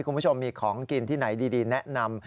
คุณผู้ชมมีของกินที่ไหนดีแนะนำ